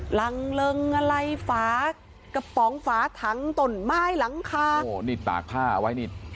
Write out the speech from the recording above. หลังเริงอะไรฝากระป๋องฝาถังตนไม้หลังคาโอ้นี่ตากผ้าเอาไว้นี่